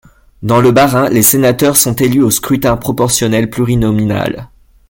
Dans le Bas-Rhin, les sénateurs sont élus au scrutin proportionnel plurinominal.